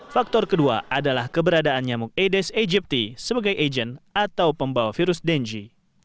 faktor kedua adalah keberadaan nyamuk aedes aegypti sebagai agent atau pembawa virus denji